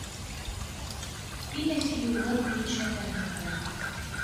Ini-as i Yuba kullec ha-t-an bxir.